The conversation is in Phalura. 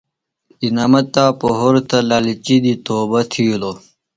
انعامہ تا پُہرتہ لالچی دی توبہ تِھیلوۡ۔